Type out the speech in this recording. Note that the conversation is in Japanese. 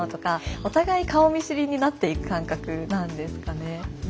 お互い顔見知りになっていく感覚なんですかね。